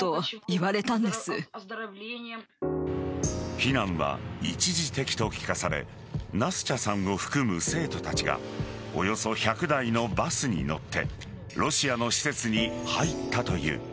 避難は一時的と聞かされナスチャさんを含む生徒たちがおよそ１００台のバスに乗ってロシアの施設に入ったという。